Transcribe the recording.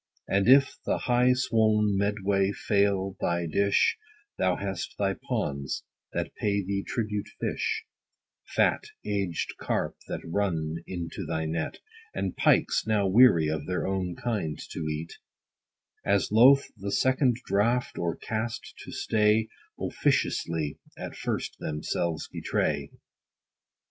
30 And if the high swoln Medway fail thy dish, Thou hast thy ponds, that pay thee tribute fish, Fat aged carps that run into thy net, And pikes, now weary their own kind to eat, As loth the second draught or cast to stay, Officiously at first themselves betray.